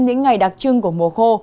những ngày đặc trưng của mùa khô